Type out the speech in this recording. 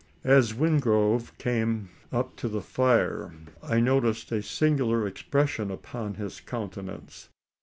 As Wingrove came up to the fire, I noticed a singular expression upon his countenance.